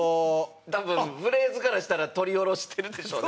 多分フレーズからしたら撮り下ろしてるでしょうね